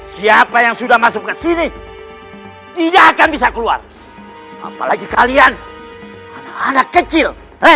siapa yang sudah masuk ke sini tidak akan bisa keluar apalagi kalian anak kecil